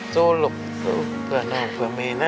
โชว์หลุบเผื่อน้องเผื่อเมนะ